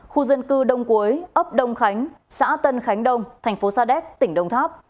khu dân cư đông cuối ấp đông khánh xã tân khánh đông thành phố sa đéc tỉnh đông tháp